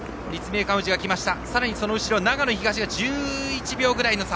さらに、その後ろ長野東が１１秒くらいの差。